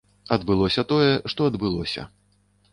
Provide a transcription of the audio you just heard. Адбылося тое, што адбылося.